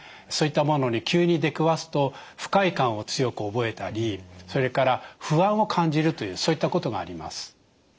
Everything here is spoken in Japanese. そういったものに急に出くわすと不快感を強く覚えたりそれから不安を感じるというそういったことがあります。